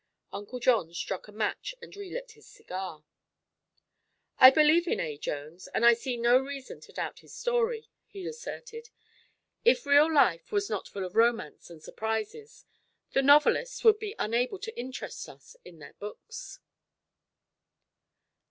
Uncle John struck a match and relit his cigar. "I believe in A. Jones, and I see no reason to doubt his story," he asserted. "If real life was not full of romance and surprises, the novelists would be unable to interest us in their books."